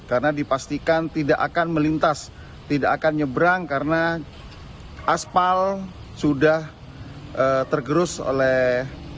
karena dipastikan tidak akan melintas tidak akan nyebrang karena aspal sudah tergerus oleh